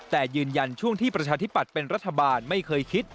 แต่ยืนยันช่วงที่ประชาธิปัตย์เป็นรัฐบาลไม่เคยคิด